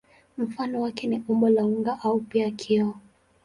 Mfano wake ni umbo la unga au pia kioo.